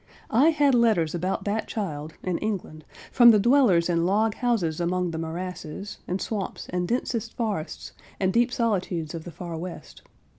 I had letters about that child, in England, from the dwellers in log houses among the morasses, and swamps, and densest forests, and deep solitudes of the far west.